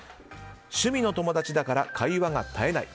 趣味の友達だから会話が絶えない。